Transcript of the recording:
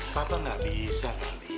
papa tidak bisa nalih